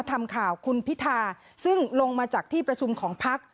ทำข่าวคุณพิธาซึ่งลงมาจากที่ประชุมของพัก